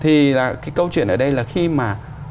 thì cái câu chuyện ở đây là khi mà